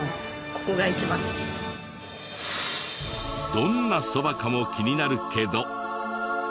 どんな蕎麦かも気になるけど。